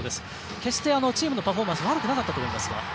決してチームのパフォーマンス悪くなかったと思いますが。